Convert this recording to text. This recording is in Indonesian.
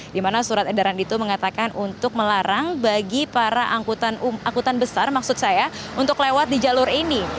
dimana surat edaran itu mengatakan untuk melarang bagi para angkutan besar maksud saya untuk lewat di jalur ini